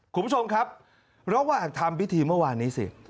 คุณผู้ชมครับระหว่างทำพิธีเมื่อวานนี้สิ